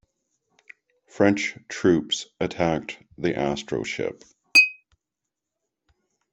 French troops attack the astroship.